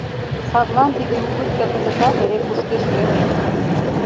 Садлан тиде убытка кызытат эре кушкеш веле.